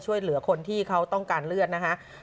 ช่วยเหลือคนที่เขาต้องการเลือดนะฮะ